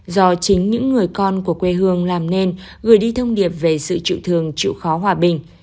do chính những người con của quê hương làm nên gửi đi thông điệp về sự chịu thường chịu khó hòa bình